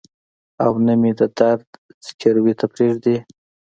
او نه مې د درد ځګروي ته پرېږدي.